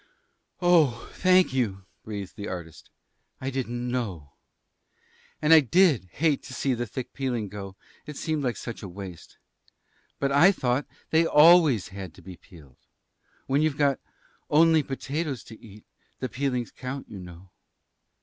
"Oh, thank you," breathed the artist. "I didn't know. And I did hate to see the thick peeling go; it seemed such a waste. But I thought they always had to be peeled. When you've got only potatoes to eat, the peelings count, you know."